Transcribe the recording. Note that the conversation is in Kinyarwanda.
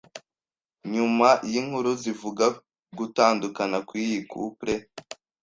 Nyuma y’inkuru zivuga gutandukana kw’iyi Couple,